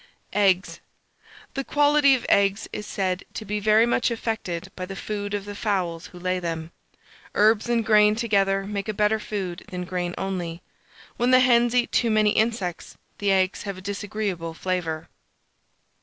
EGGS. The quality of eggs is said to be very much affected by the food of the fowls who lay them. Herbs and grain together make a better food than grain only. When the hens eat too many insects, the eggs have a disagreeable flavour.